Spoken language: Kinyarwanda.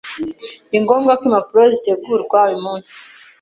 Ni ngombwa ko impapuro zitegurwa uyu munsi.